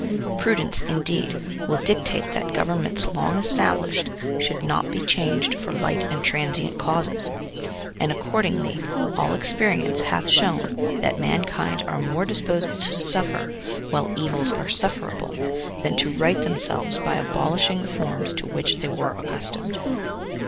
Prudence, indeed, will dic tate that governments long established should not be changed for light and transient causes; and accordingly all experience hath shown that mankind are more disposed to suffer, while evils are sufferable, than to right themselves by abolishing the forms to which they were accustomed.